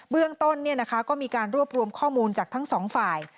เรื่องต้นเนี่ยนะคะก็มีการรวบรวมข้อมูลจากทั้ง๒ฝ่าย